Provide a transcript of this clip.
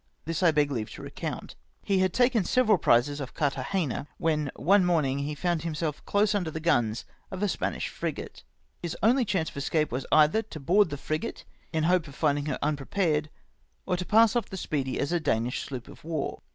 This I beg leave to recount. " He had taken several prizes off Carthagena, when, one morning, he found himself close under the guns of a Spanish frigate. " His only chance of escape was, either to board the frigate, in the hope of finding her unprepared, or to pass off the Speedy as a Danish sloop of war.